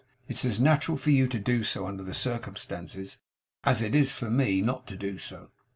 It's as natural for you to do so under the circumstances as it is for me not to do so.